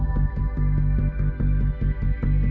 เวลาที่สุดท้าย